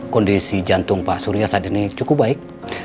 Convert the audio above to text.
kondisi jantung pak surya saat ini cukup baik